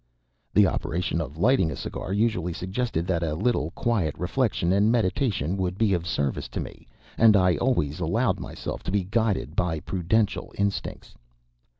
The operation of lighting a cigar usually suggested that a little quiet reflection and meditation would be of service to me, and I always allowed myself to be guided by prudential instincts.